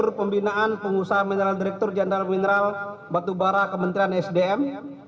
dan tentu pembinaan pengusaha mineral direktur jenderal mineral batubara kementerian sdm